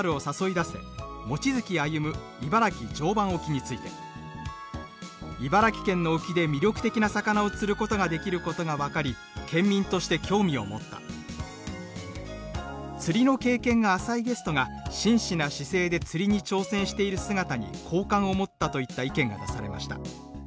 望月歩茨城・常磐沖」について「茨城県の沖で魅力的な魚を釣ることができることが分かり県民として興味を持った」「釣りの経験が浅いゲストが真摯な姿勢で釣りに挑戦している姿に好感を持った」といった意見が出されました。